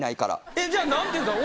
えっじゃあ何て言うたん？